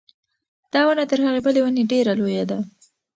دا ونه تر هغې بلې ونې ډېره لویه ده.